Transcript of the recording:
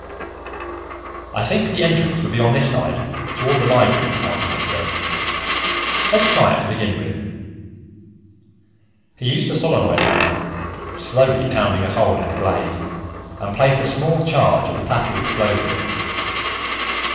"I think the entrance would be on this side, toward the Library," Altamont said. "Let's try it, to begin with." He used the solenoid hammer, slowly pounding a hole in the glaze, and placed a small charge of the plastic explosive.